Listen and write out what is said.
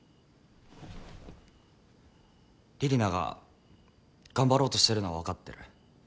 李里奈が頑張ろうとしてるのは分かってる。